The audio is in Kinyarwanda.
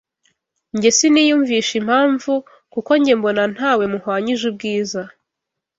njye siniyumvisha impamvu kuko njye mbona ntawe muhwanyije ubwiza